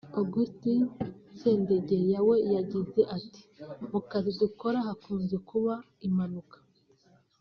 Augustin Sendegeya we yagize ati ”Mu kazi dukora hakunze kuba impanuka